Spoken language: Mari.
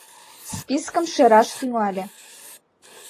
Спискым шераш тӱҥале.